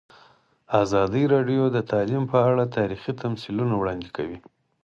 ازادي راډیو د تعلیم په اړه تاریخي تمثیلونه وړاندې کړي.